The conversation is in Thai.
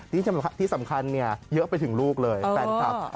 ที่สำคัญเนี่ยเยอะไปถึงลูกเลยแฟนคลับ